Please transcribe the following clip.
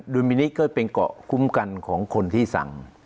ดุลพินิษฐ์ก็เป็นเกาะคุมกันของคนที่สั่ง